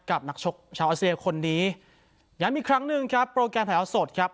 กับนักชกชาวอาเซียคนดียังมีครั้งหนึ่งครับโปรแกรมแถวสดครับ